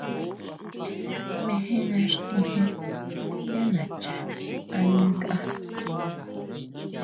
Mejena xtíjen yá nacha ani nkʼa.